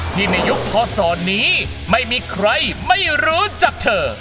ในยุคพศนี้ไม่มีใครไม่รู้จักเธอ